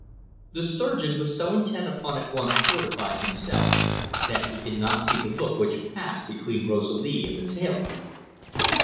The surgeon was so intent upon at once fortifying himself that he did not see the look which passed between Rosalie and the tailor.